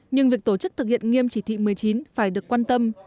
nhưng việc tổ chức thực hiện nghiêm chỉ thị một mươi chín phải được quan tâm